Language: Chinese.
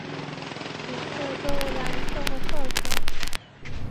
体色多为蓝色和褐色。